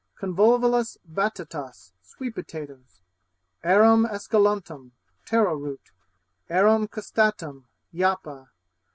Convolvulus batatas Sweet potatoes. Arum, esculentum Taro Root. Arum costatum Yappa.